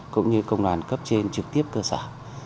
cũng như công đoàn cấp trên trực tiếp cơ sở